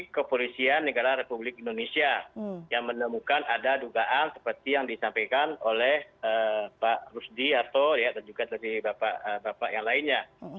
kepolisian negara republik indonesia yang menemukan ada dugaan seperti yang disampaikan oleh pak rusdi atau juga dari bapak bapak yang lainnya